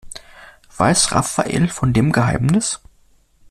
Weiß Rafael von dem Geheimnis?